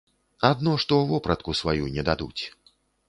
Адно што вопратку сваю не дадуць.